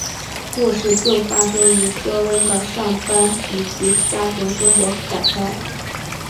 故事就是发生于肖恩的上班以及家庭生活展开。